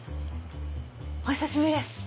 お久しぶりです。